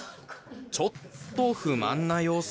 ちょっと不満な様子。